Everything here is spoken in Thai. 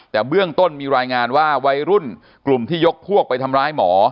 แต่เบื้องต้นมีรายงานว่าวัยรุ่นกลุ่มที่ยกพวกไปทำร้ายหมอ